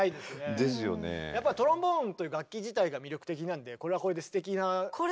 トロンボーンという楽器自体が魅力的なんでこれはこれですてきなところも。